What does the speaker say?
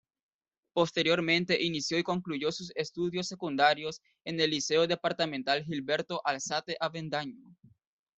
Posteriormente inició y concluyó sus estudios secundarios en el Liceo Departamental Gilberto Alzate Avendaño.